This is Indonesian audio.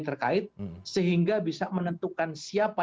terkait sehingga bisa menentukan siapa